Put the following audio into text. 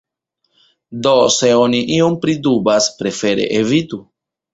Do se oni ion pridubas, prefere evitu.